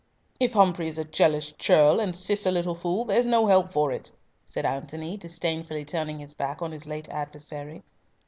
"If Humfrey is a jealous churl, and Cis a little fool, there's no help for it," said Antony, disdainfully turning his back on his late adversary.